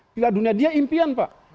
piala dunia dia impian pak